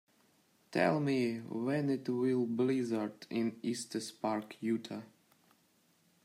Tell me when it will blizzard in Estes Park, Utah